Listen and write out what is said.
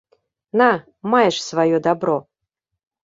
На, маеш сваё дабро!